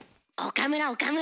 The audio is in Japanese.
岡村岡村。